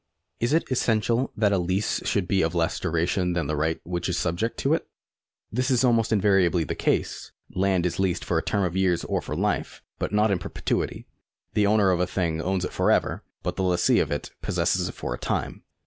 Is it essential that a lease should be of less duration than the right which is subject to it ? This is almost invariably the case ; land is leased for a term of years or for life, but not in perjietuity ; the owner of a thing owns it for ever, but the lessee of it possesses it for a time.